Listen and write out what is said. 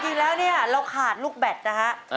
จริงแล้วเราขาดลูกแบตนะครับ